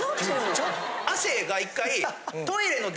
亜生が１回。